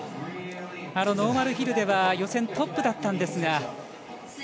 ノーマルヒルでは予選でトップだったんですが。